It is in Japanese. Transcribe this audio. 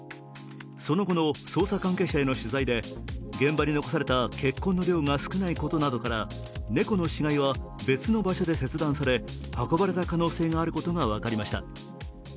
その後の捜査関係者への取材で現場に残された血痕の量が少ないことなどから猫の死骸は別の場所で切断され運ばれた可能性があることが分かりました。